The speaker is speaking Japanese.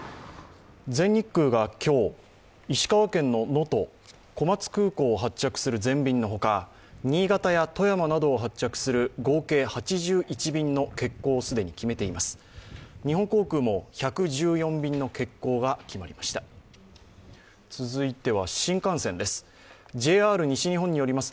全日空が今日、石川県の能登、小松空港を発着する全便のほか、新潟や外山などを発着する合計８１便の欠航を既に決めています。